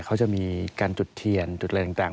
เขาจะมีการจุดเทียนจุดอะไรต่าง